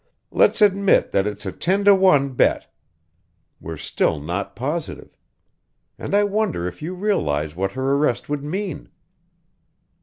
Let's admit that it's a ten to one bet we're still not positive. And I wonder if you realize what her arrest would mean?"